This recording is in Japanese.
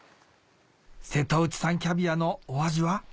瀬戸内産キャビアのお味は？